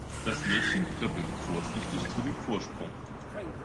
Das Mädchen trippelte vorsichtig zu dem Vorsprung.